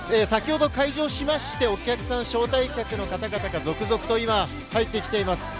先ほど開場しましてお客さん、招待客の方が続々と入ってきています。